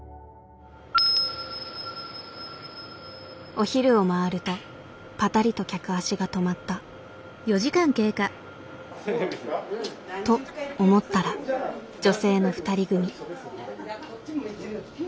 お昼を回るとぱたりと客足が止まった。と思ったら女性の２人組。